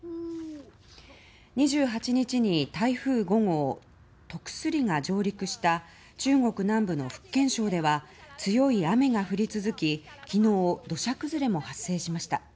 ２８日に台風５号トクスリが上陸した中国南部の福建省では強い雨が降り続き昨日、土砂崩れも発生しました。